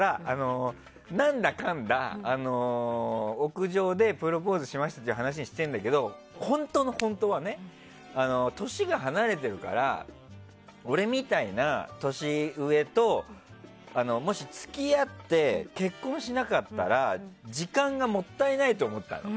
何だかんだ屋上でプロポーズしましたってしてんだけど本当の本当は年が離れてるから俺みたいな年上ともし付き合って結婚しなかったら時間がもったいないと思ったの。